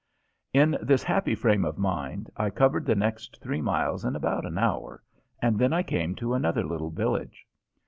In this happy fame of mind I covered the next three miles in about an hour, and then I came to another little village.